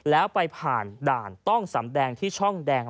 แล้วไปผ่านด่านต้องสำแดงที่ช่องแดง